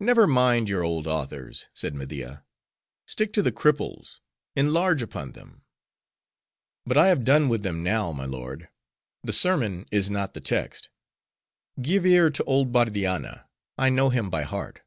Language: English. "Never mind your old authors," said Media. "Stick to the cripples; enlarge upon them." "But I have done with them now, my lord; the sermon is not the text. Give ear to old Bardianna. I know him by heart.